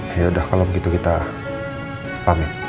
yaudah kalau begitu kita pamit